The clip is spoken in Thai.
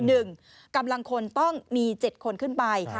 หนึ่งกำลังคนต้องมี๗คนขึ้นไป